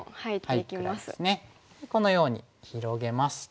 このように広げますと。